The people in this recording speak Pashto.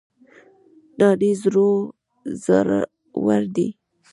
نانی زړور دی